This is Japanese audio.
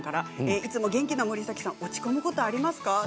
いつも元気な森崎さん落ち込むことはありますか？